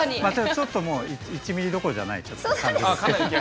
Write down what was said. ちょっともう１ミリどころじゃないちょっと感じですけど。